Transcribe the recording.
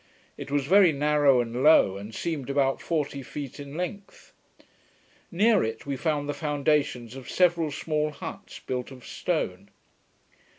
It was very narrow and low, and seemed about forty feet in length. Near it, we found the foundations of several small huts, built of stone.